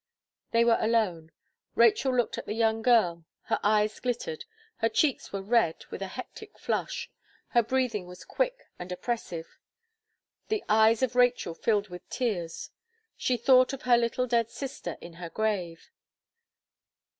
They were alone; Rachel looked at the young girl; her eyes glittered; her cheeks were red with a hectic flush; her breathing was quick and oppressive. The eyes of Rachel filled with tears; she thought of her little dead sister in her grave.